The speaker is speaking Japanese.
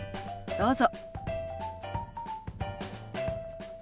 どうぞ。